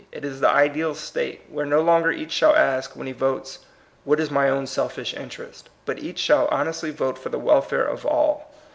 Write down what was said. It is the ideal state, where no longer each shall ask, when he votes, What is my own selfish interest? but each shall hon estly vote for the welfare of all.